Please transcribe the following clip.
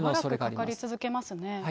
しばらくかかり続けますね。